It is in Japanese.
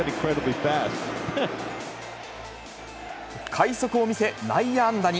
快足を見せ、内野安打に。